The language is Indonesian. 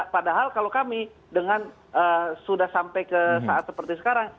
padahal kalau kami dengan sudah sampai ke saat seperti sekarang